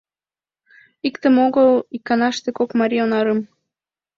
Иктым огыл — иканаште кок марий онарым.